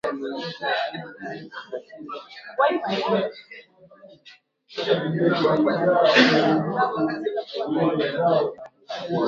Uwepo wa matumizi makubwa wa lugha za kibantu